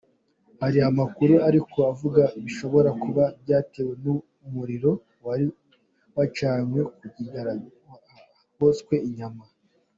Hari amakuru ariko avuga bishobora kuba byatewe n'umuriro wari wacanywe kugirango hotswe inyama.